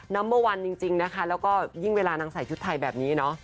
ัมเบอร์วันจริงนะคะแล้วก็ยิ่งเวลานางใส่ชุดไทยแบบนี้เนาะ